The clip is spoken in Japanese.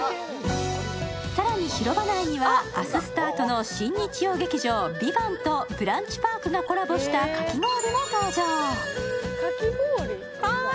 更に広場内には明日スタートの新日曜劇場「ＶＩＶＡＮＴ」とＢＲＵＮＣＨＰＡＲＫのコラボしたかき氷も登場。